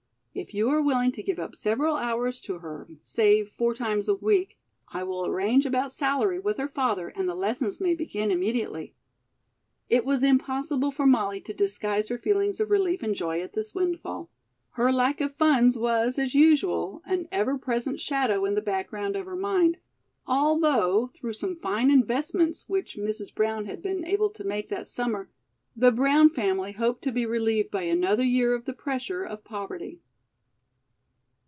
If you are willing to give up several hours to her, say four times a week, I will arrange about salary with her father and the lessons may begin immediately." It was impossible for Molly to disguise her feelings of relief and joy at this windfall. Her lack of funds was, as usual, an ever present shadow in the background of her mind, although, through some fine investments which Mrs. Brown had been able to make that summer, the Brown family hoped to be relieved by another year of the pressure of poverty.